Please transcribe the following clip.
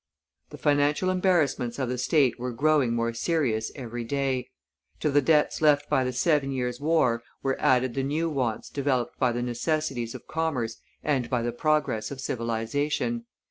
The financial embarrassments of the state were growing more serious every day; to the debts left by the Seven Years' War were added the new wants developed by the necessities of commerce and by the progress of civilization.